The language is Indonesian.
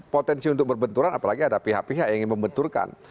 potensi untuk berbenturan apalagi ada pihak pihak yang ingin membenturkan